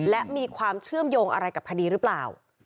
และมีความเชื่อมโยงอะไรกับคดีหรือเปล่า